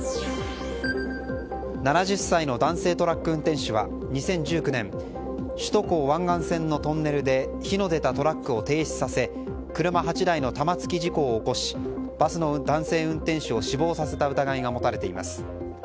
７０歳の男性トラック運転手は２０１９年首都高湾岸線のトンネルで火の出たトラックを停止させ車８台の玉突き事故を起こしバスの男性運転手を死亡させた疑いが持たれています。